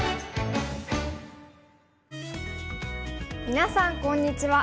みなさんこんにちは。